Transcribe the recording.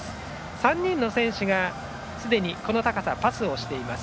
３人の選手がすでにこの高さパスしています。